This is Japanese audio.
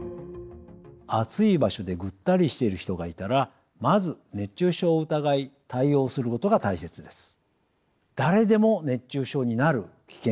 暑い場所でぐったりしている人がいたらまず熱中症を疑い対応することが大切です。